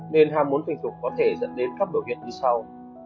nên hàm muốn tình dục có thể dẫn đến các biểu hiện như sau